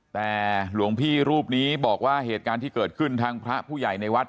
แต่หลวงพี่รูปนี้บอกว่าเหตุการณ์ที่เกิดขึ้นทางพระผู้ใหญ่ในวัด